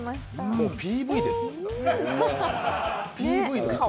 もう、ＰＶです。